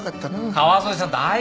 川添さん大丈夫。